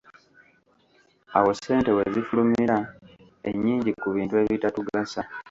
Awo ssente we zifulumira ennyingi ku bintu ebitatugasa.